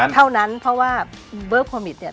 เท่านั้นเพราะว่าเบอร์โคมิตเนี่ย